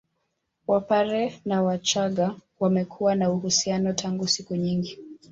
Wapare na wachaga wamekuwa na uhusiano tangu siku nyingi